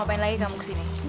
mau ngapain lagi kamu kesini